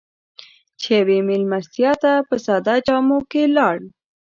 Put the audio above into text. چې يوې مېلمستیا ته په ساده جامو کې لاړ.